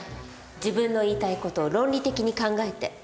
自分の言いたい事を論理的に考えて。